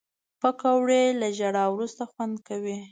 پکورې له ژړا وروسته خوند کوي